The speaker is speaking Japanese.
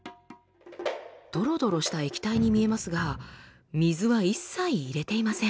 ドロドロした液体に見えますが水は一切入れていません。